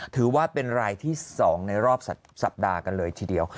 ถือว่าเป็นรายที่๒ในรอบสัปดาห์กันเลยทีเดียว